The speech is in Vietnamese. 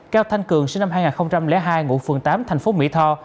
cao thanh cường sinh năm hai nghìn hai ngụ phường tám thành phố mỹ tho